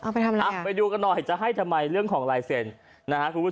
ไปดูกันหน่อยจะให้ทำไมเรื่องของลายเซียน